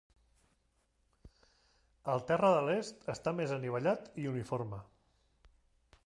El terra de l'est està més anivellat i uniforme.